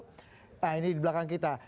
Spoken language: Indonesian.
nah ini di belakang kita